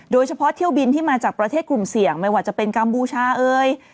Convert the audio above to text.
โดยเฉพาะเที่ยวบินที่มาจากประเทศกลุ่มเสี่ยงไม่ว่าจะเป็นกัมพูชาเอ่ย